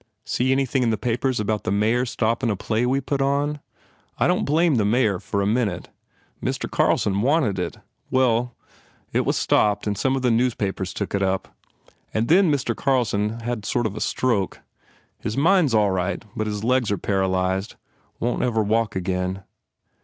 See anything in the papers about the Mayor stoppin a play we put on? I don t blame the Mayor, for a minute. Mr. Carl son wanted it ... Well, it was stopped and some of the newspapers took it up. And then Mr. Carlson had a sort of stroke. His mind s all right but his legs are paralyzed. Won t ever walk again."